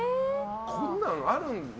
こんなんあるの？